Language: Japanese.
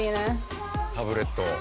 タブレット。